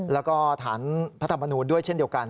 แล้วก็ฐานพระธรรมนูลด้วยเช่นเดียวกัน